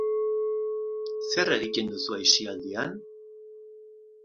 Zer egiten duzu aisialdian?